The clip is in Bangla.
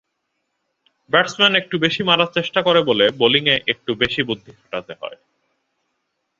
্রব্যাটসম্যান একটু বেশি মারার চেষ্টা করে বলে বোলিংয়ে একটু বেশি বুদ্ধি খাটাতে হয়।